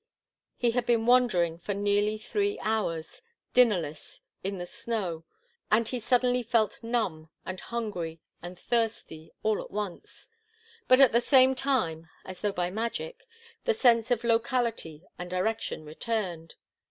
He had been wandering for nearly three hours, dinnerless, in the snow, and he suddenly felt numb and hungry and thirsty all at once. But at the same time, as though by magic, the sense of locality and direction returned.